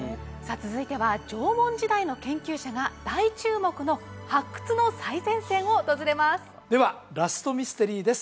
続いては縄文時代の研究者が大注目の発掘の最前線を訪れますではラストミステリーです